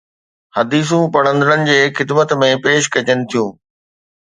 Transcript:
حديثون پڙهندڙن جي خدمت ۾ پيش ڪجن ٿيون